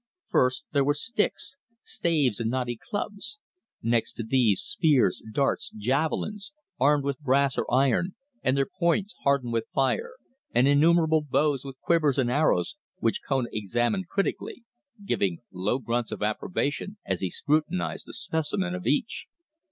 First, there were sticks, staves and knotty clubs. Next to these, spears, darts, javelins, armed with brass or iron, or their points hardened with fire, and innumerable bows with quivers and arrows, which Kona examined critically, giving low grunts of approbation as he scrutinized a specimen of each.